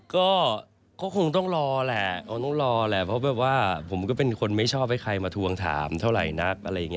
ก็คงต้องรอแหละเพราะว่าผมก็เป็นคนไม่ชอบให้ใครมาทวงถามเท่าไหร่นัก